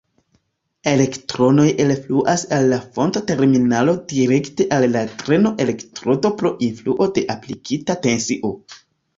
Elektronoj elfluas el la fonto-terminalo direkte al la dreno-elektrodo pro influo de aplikita tensio.